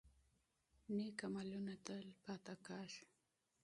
نیک عملونه تل پاتې کیږي.